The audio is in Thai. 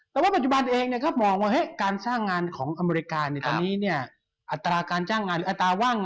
แต่ว่าปัจจุบันเองมาว่าไงการสร้างงานของอเมริกาอัตราว่างงานเนี่ยโอ้โหน้อย